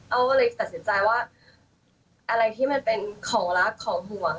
เอาก็เลยตัดสินใจว่าอะไรที่มันเป็นของรักของห่วง